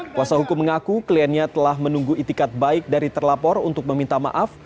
kuasa hukum mengaku kliennya telah menunggu itikat baik dari terlapor untuk meminta maaf